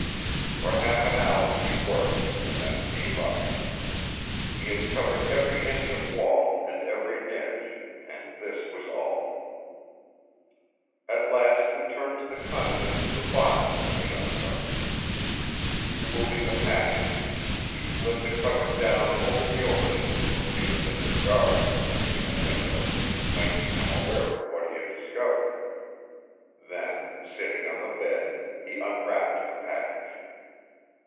For half an hour he worked and then gave up. He had covered every inch of wall and every niche, and this was all! At last he turned to the contents of the box that he had uncovered. Removing the package, he slid the cover down over the opening for fear that his guard, looking in a window, might become aware of what he had discovered. Then, sitting on the bed, he unwrapped the package.